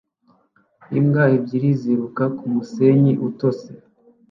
Imbwa ebyiri ziruka kumusenyi utose